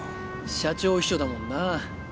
社長秘書だもんな。